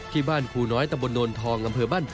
ที่บ้านครูน้อยตะบลนนทอง